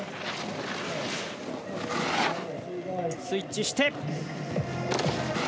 スイッチして。